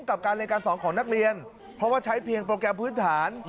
กับการเรียนการสอนของนักเรียนเพราะว่าใช้เพียงโปรแกรมพื้นฐาน